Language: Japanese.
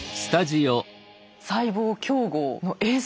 細胞競合の映像。